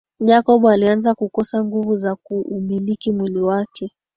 Jacob alianza kukosa nguvu za kuumiliki mwili wake